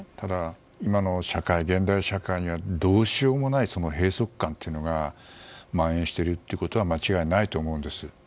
今の社会ではどうしようもない閉塞感がまん延しているということは間違いないと思うんです。